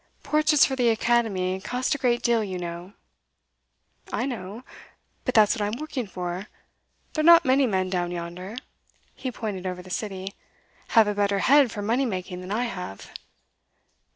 'Portraits for the Academy cost a great deal, you know.' 'I know. But that's what I'm working for. There are not many men down yonder,' he pointed over the City, 'have a better head for money making than I have.